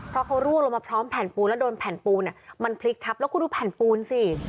เพราะเขาร่วงลงมาพร้อมแผ่นปูนแล้วโดนแผ่นปูนมันพลิกทับแล้วคุณดูแผ่นปูนสิ